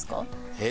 えっ？